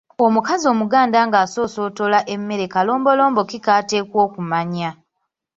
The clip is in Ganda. Omukazi Omuganda ng’asoosootola emmere kalombolombo ki k’ateekwa okumanya?